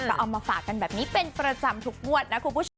ก็เอามาฝากกันแบบนี้เป็นประจำทุกงวดนะคุณผู้ชม